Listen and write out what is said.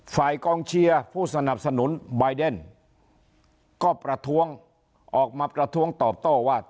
กองเชียร์ผู้สนับสนุนบายเดนก็ประท้วงออกมาประท้วงตอบโต้ว่า